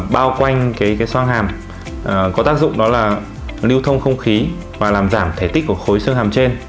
bao quanh soa hàm có tác dụng đó là lưu thông không khí và làm giảm thể tích của khối xương hàm trên